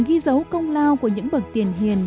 ghi dấu công lao của những bậc tiền hiền